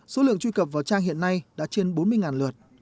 số lượng truy cập vào trang hiện nay đã trên bốn mươi lượt